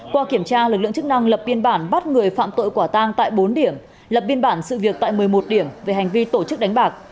qua kiểm tra lực lượng chức năng lập biên bản bắt người phạm tội quả tang tại bốn điểm lập biên bản sự việc tại một mươi một điểm về hành vi tổ chức đánh bạc